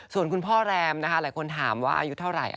ส่วนคุณพ่อแรมนะคะหลายคนถามว่าอายุเท่าไหร่